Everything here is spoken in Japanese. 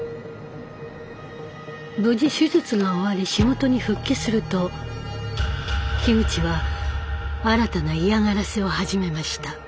無事手術が終わり仕事に復帰すると樋口は新たな嫌がらせを始めました。